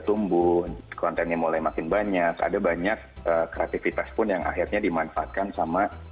tumbuh kontennya mulai makin banyak ada banyak kreativitas pun yang akhirnya dimanfaatkan sama